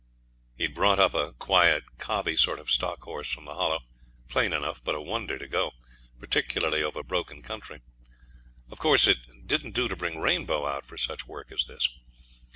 He had brought up a quiet cobby sort of stock horse from the Hollow, plain enough, but a wonder to go, particularly over broken country. Of course, it didn't do to bring Rainbow out for such work as this.